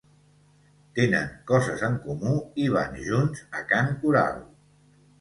Tenen coses en comú i van junts a cant coral.